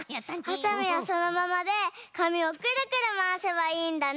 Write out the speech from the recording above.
はさみはそのままでかみをくるくるまわせばいいんだね！